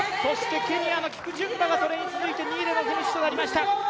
ケニアのキプチュンバがそれに続いての２位でのフィニッシュになりました